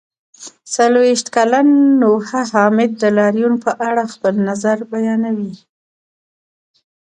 څلرویشت کلن نوحه حامد د لاریون په اړه خپل نظر بیانوي.